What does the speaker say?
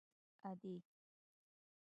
_ادې!!!